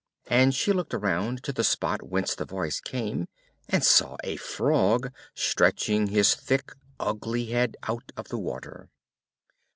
And she looked around to the spot whence the voice came, and saw a Frog stretching his thick ugly head out of the water.